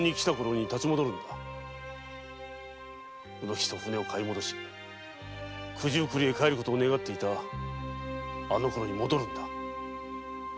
卯之吉と舟を買い戻し九十九里に帰る事を願っていたあのころに戻るのだ。